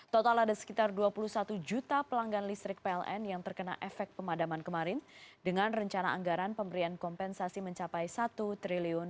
total ada sekitar dua puluh satu juta pelanggan listrik pln yang terkena efek pemadaman kemarin dengan rencana anggaran pemberian kompensasi mencapai satu triliun